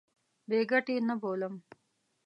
بې ګټې نه بولم.